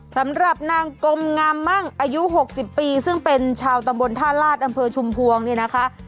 สำหรับนางกมงามมั่งอายุ๖๐ปีซึ่งเป็นชาวตำบลท่าลาศอำเภอชุมพวงเนี่ยนะคะ